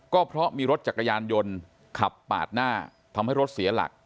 ก็เพราะมีรถจักรยานยนต์ขับปาดหน้าทำให้รถเสียหลัก